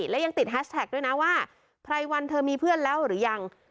และยังติดแฮชแท็กด้วยนะว่าไพรวันเธอมีเพื่อนแล้วหรือยัง